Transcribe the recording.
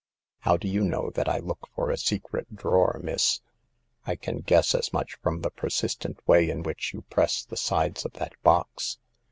How do you know that I look for a secret drawer, miss ?"I can guess as much from the persistent way in which you press the sides of that box.